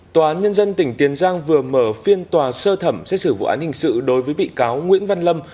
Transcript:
tòa án nhân dân tỉnh tiền giang vừa mở phiên tòa sơ thẩm xét xử vụ án hình sự đối với bị cáo nguyễn văn lâm